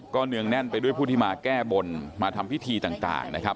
เนืองแน่นไปด้วยผู้ที่มาแก้บนมาทำพิธีต่างนะครับ